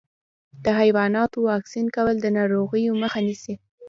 د حیواناتو واکسین کول د ناروغیو مخه نیسي.